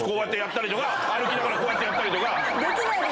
歩きながらこうやってやったりとか。